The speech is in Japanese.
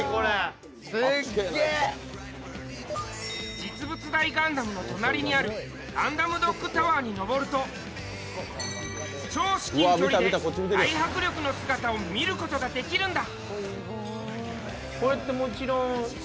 実物大ガンダムの隣にあるガンダムドックタワーに上ると超至近距離で大迫力の姿を見ることができるんだ！